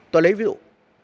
tôi lấy ví dụ